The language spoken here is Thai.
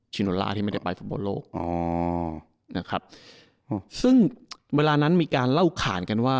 โนล่าที่ไม่ได้ไปฟุตบอลโลกอ๋อนะครับซึ่งเวลานั้นมีการเล่าขานกันว่า